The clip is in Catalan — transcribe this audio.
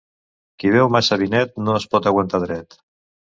Qui beu massa vinet no es pot aguantar dret.